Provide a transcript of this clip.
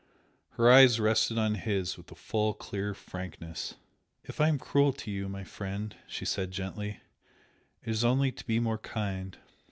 Her eyes rested on his with a full clear frankness. "If I am cruel to you, my friend" she said, gently, "it is only to be more kind!"